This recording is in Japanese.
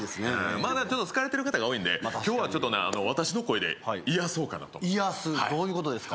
まあだから疲れてる方が多いんで今日はちょっとね私の声で癒そうかなと癒すどういうことですか？